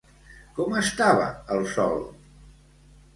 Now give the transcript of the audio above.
Com estava el sol?